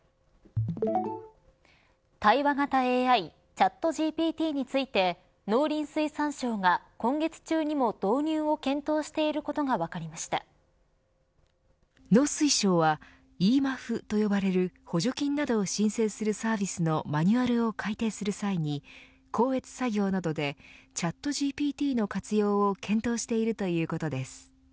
対話型ＡＩＣｈａｔＧＰＴについて農林水産省が、今月中にも導入を検討していることが農水省はｅＭＡＦＦと呼ばれる補助金などを申請するサービスのマニュアルを改訂する際に校閲作業などでチャットＧＰＴの活用を検討しているということです。